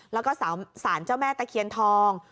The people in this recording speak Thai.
แล้วก็สารเจ้าแม่ตะเคียนทอง